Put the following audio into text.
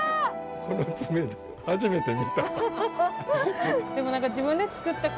この爪で初めて見た。